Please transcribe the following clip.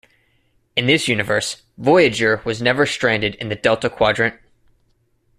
In this universe, "Voyager" was never stranded in the Delta Quadrant.